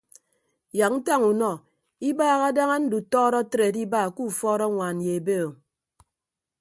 Yak ntañ unọ ibaha daña ndutọọdọ atre adiba ke ufuọd añwaan ye ebe o.